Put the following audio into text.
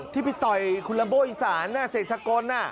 ที่ไปต่อยคุณลัมโบอีสานเสกสกล